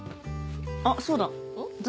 あっそうだ私